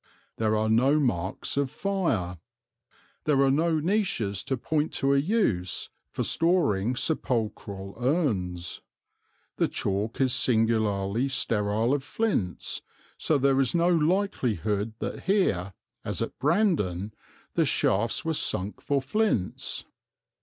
There are no marks of fire. There are no niches to point to a use for storing sepulchral urns; the chalk is singularly sterile of flints, so there is no likelihood that here, as at Brandon, the shafts were sunk for flints.